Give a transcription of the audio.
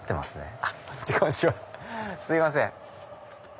すいません！